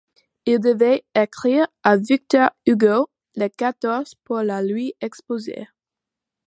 Il devait écrire à Victor Hugo le quatorze pour la lui exposer.